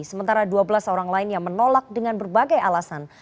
sementara dua belas orang lain yang menolak dengan berbagai alasan